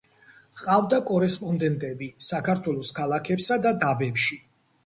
ჰყავდა კორესპონდენტები საქართველოს ქალაქებსა და დაბებში.